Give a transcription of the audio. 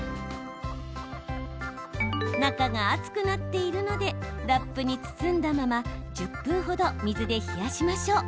中が熱くなっているのでラップに包んだまま１０分程、水で冷やしましょう。